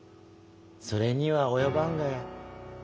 それには及ばんがや。